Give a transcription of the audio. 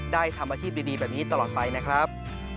ทำอาชีพดีแบบนี้ตลอดไปนะครับ